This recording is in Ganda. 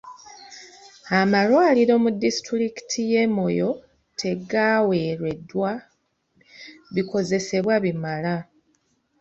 Amalwaliro mu disitulikiti y'e Moyo tegaweereddwa bikozesebwa bimala